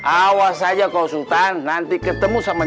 awas aja kau sultan nanti ketemu sama